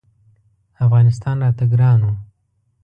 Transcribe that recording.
افغانستان راته ګران و.